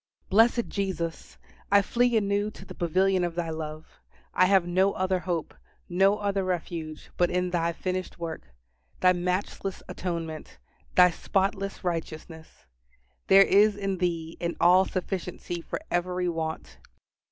Blessed Jesus! I flee anew to the pavilion of Thy love. I have no other hope, no other refuge, but in Thy finished work Thy matchless atonement Thy spotless righteousness. There is in Thee an all sufficiency for every want.